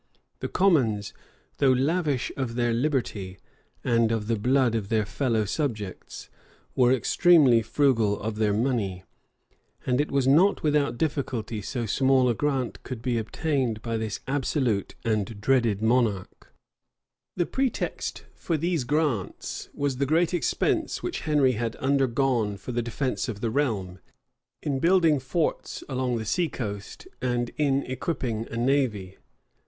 The commons, though lavish of their liberty, and of the blood of their fellow subjects, were extremely frugal of their money; and it was not without difficulty so small a grant could be obtained by this absolute and dreaded monarch. The convocation gave the king four shillings in the pound to be levied in two years. The pretext for these grants was, the great expense which Henry had undergone for the defence of the realm, in building forts along the seacoast, and in equipping a navy.